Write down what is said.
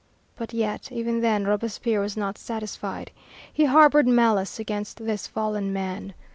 But yet even then Robespierre was not satisfied. He harbored malice against this fallen man.